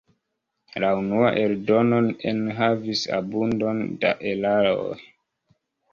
La unua eldono enhavis abundon da eraroj.